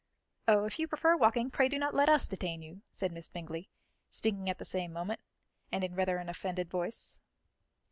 "Oh, if you prefer walking, pray do not let us detain you," said Miss Bingley, speaking at the same moment, and in rather an offended voice.